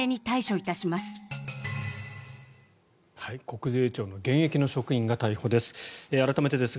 国税庁の現役の職員が逮捕です。